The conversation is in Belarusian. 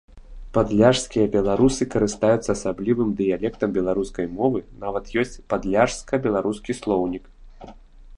Падляшскія беларусы карыстаюцца асаблівым дыялектам беларускай мовы, нават ёсць падляшска-беларускі слоўнік.